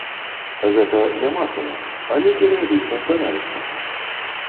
Гэта не масава, але перыядычна здараецца.